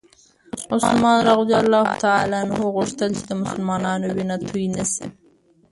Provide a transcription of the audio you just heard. عثمان رض غوښتل چې د مسلمانانو وینه توی نه شي.